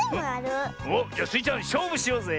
おっじゃスイちゃんしょうぶしようぜ。